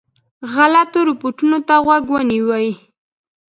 غلطو رپوټونو ته غوږ ونیوی.